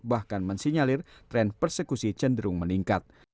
bahkan mensinyalir tren persekusi cenderung meningkat